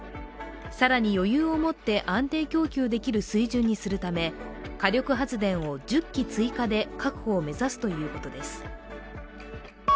更に余裕を持って安定供給できる水準にするため火力発電を１０基追加で確保を目指すということです。